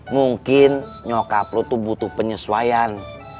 mungkin nyokap lo tuh butuh penyesuaian